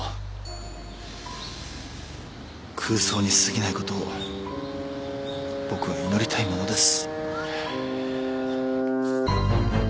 空想に過ぎないことを僕は祈りたいものです。